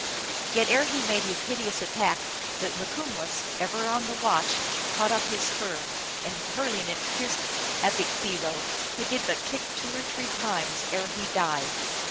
Yet ere he made his hideous attack the Mikumwess, ever on the watch, caught up his spear, and, hurling it, pierced A bekk thee lo, who did but kick two or three times ere he died.